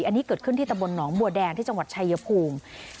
อันนี้เกิดขึ้นที่ตำบลหนองบัวแดงที่จังหวัดชายภูมิ